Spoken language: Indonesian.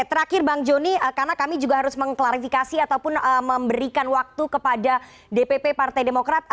terakhir bang joni karena kami juga harus mengklarifikasi ataupun memberikan waktu kepada dpp partai demokrat